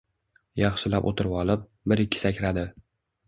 Yaxshilab o`tirvolib, bir-ikki sakradi